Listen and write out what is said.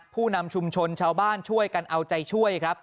ผู้นำชุมชนชาวบ้านช่วยกันเอาใจช่วยครับ